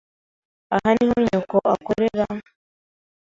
Aha niho nyoko akorera?